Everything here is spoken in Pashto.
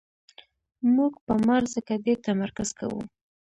موږ په مار ځکه ډېر تمرکز کوو.